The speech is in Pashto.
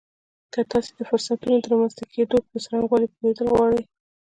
که تاسې د فرصتونو د رامنځته کېدو په څرنګوالي پوهېدل غواړئ.